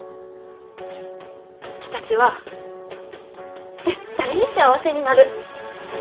うちたちは絶対に幸せになる！